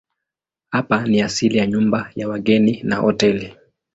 Hapa ni asili ya nyumba ya wageni na hoteli.